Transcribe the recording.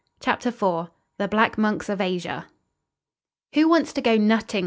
CHAPTER IV THE BLACK MONKS OF ASIA "Who wants to go nutting?"